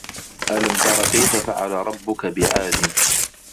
أَلَم تَرَ كَيفَ فَعَلَ رَبُّكَ بِعادٍ